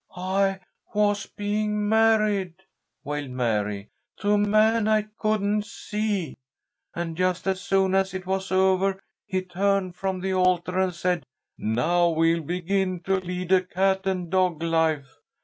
"I was being married," wailed Mary, "to a man I couldn't see. And just as soon as it was over he turned from the altar and said, 'Now we'll begin to lead a cat and dog life.'